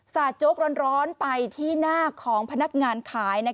โจ๊กร้อนไปที่หน้าของพนักงานขาย